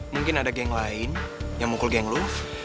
mungkin ada geng lain yang mukul geng lu